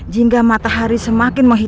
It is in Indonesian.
jingga matahari semakin berlari